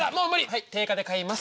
はい定価で買います。